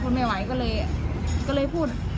ทนไม่ไหวก็เลยก็เลยพูด